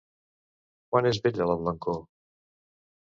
Quan és bella la blancor?